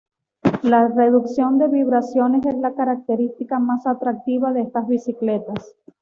La reducción de vibraciones es la característica más atractiva de estas bicicletas.